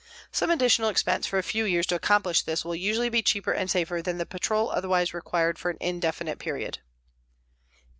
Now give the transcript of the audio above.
Some additional expense for a few years to accomplish this will usually be cheaper and safer than the patrol otherwise required for an indefinite period.